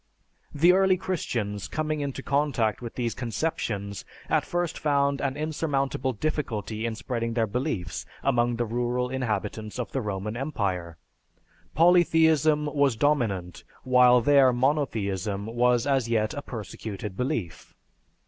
The early Christians coming into contact with these conceptions, at first found an insurmountable difficulty in spreading their beliefs among the rural inhabitants of the Roman empire. Polytheism was dominant while their monotheism was as yet a persecuted belief.